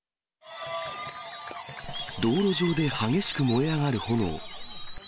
道路上で激しく燃え上がる炎。